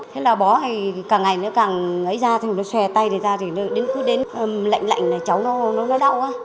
thế là bó hay càng ngày nó càng ấy ra nó xòe tay người ta cứ đến lạnh lạnh là cháu nó đau